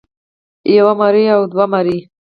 يوه مرۍ او دوه مرۍ